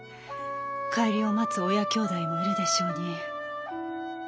帰りを待つ親兄弟もいるでしょうに。